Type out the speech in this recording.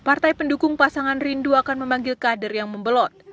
partai pendukung pasangan rindu akan memanggil kader yang membelot